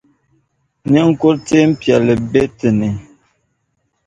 Niŋkur’ teempiɛla be ti ni.